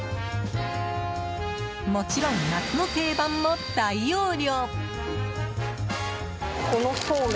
もちろん夏の定番も大容量。